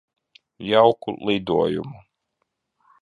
Jauku lidojumu.